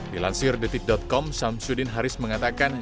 dilansir di tik com samsudin haris mengatakan